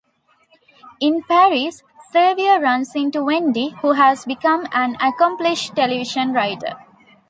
In Paris, Xavier runs into Wendy, who has become an accomplished television writer.